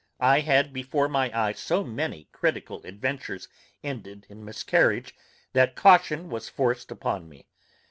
I had before my eye, so many critical adventures ended in miscarriage, that caution was forced upon me.